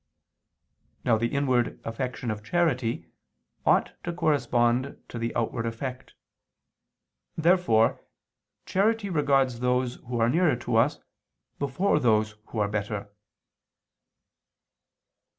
Now the inward affection of charity ought to correspond to the outward effect. Therefore charity regards those who are nearer to us before those who are better.